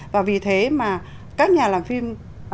và vì thế mà các nhà làm phim